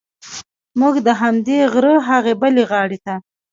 موږ د همدې غره هغې بلې غاړې ته.